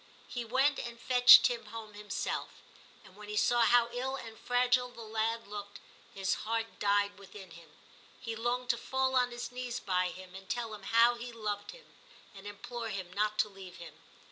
He went and fetched Tim home himself, and when he saw how ill and fragile the lad looked, his heart died within him ; he longed to fall on his knees by him and tell him how he loved him, and implore him not to leave him.